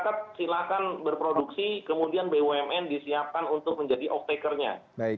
nanti masyarakat silahkan berproduksi kemudian bumn disiapkan untuk menjadi off takernya